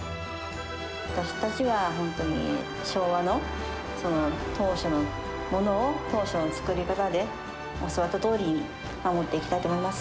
私たちは本当に、昭和の当初のものを、当初の作り方で、教わったとおりに守っていきたいと思います。